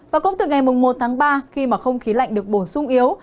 và cũng từ ngày một tháng ba khi mà không khí lạnh được bổ sung yếu